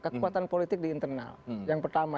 kekuatan politik di internal yang pertama